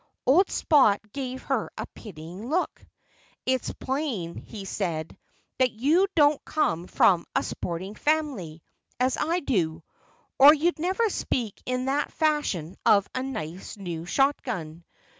Old Spot gave her a pitying look. "It's plain," he said, "that you don't come from a sporting family, as I do, or you'd never speak in that fashion of a nice new shotgun.